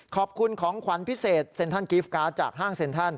ขอบคุณของขวัญพิเศษเซ็นทันกิฟต์การ์ด